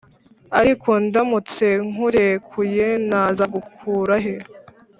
ariko ndamutse nkurekuye nazagukurahe